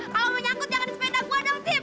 kalo mau nyangkut jangan di sepeda gua dong steve